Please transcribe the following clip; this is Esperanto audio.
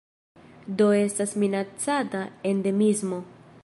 Do estas minacata endemismo.